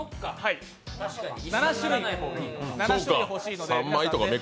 ７種類欲しいので。